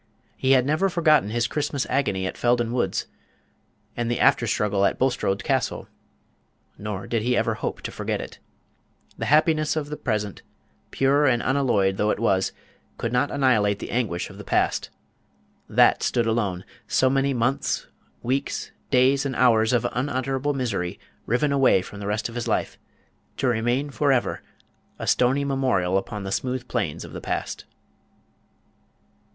He had never forgotten his Christmas agony at Felden Woods, and the after struggle at Bulstrode Castle; nor did he ever hope to forget it. The happiness of the present, pure and unalloyed though it was, could not annihilate the anguish of the past. That stood alone so many months, weeks, days, and hours of unutterable misery riven away from the rest of his life, to remain for ever a stony memorial upon the smooth plains of the past.